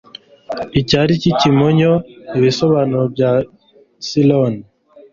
icyari cy'ikimonyo, ibisobanuro bya ciron